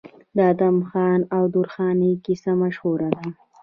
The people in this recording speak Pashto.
د ادم خان او درخانۍ کیسه مشهوره ده.